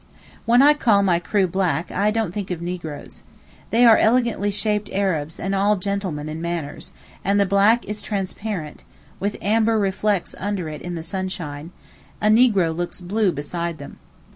When I call my crew black, don't think of negroes. They are elegantly shaped Arabs and all gentlemen in manners, and the black is transparent, with amber reflets under it in the sunshine; a negro looks blue beside them.